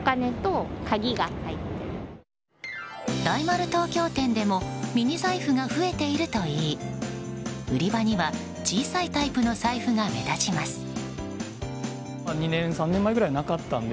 大丸東京店でもミニ財布が増えているといい売り場には小さいタイプの財布が目立ちます。